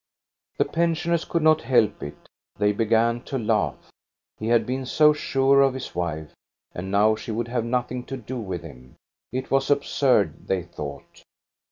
The pensioners could not help it, they began to laugh. He had been so sure of his wife, and now she would have nothing to do with him. It was absurd, they thought.